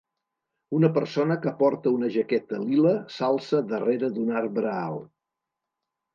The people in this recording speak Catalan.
Una persona que porta una jaqueta lila s'alça darrere d'un arbre alt.